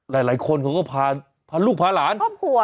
หลายคนก็พาลูกพาหลานพาพวก